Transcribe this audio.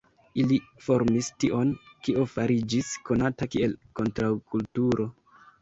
Ili formis tion, kio fariĝis konata kiel kontraŭkulturo.